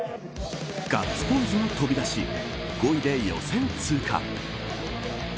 ガッツポーズも飛び出し５位で予選通過。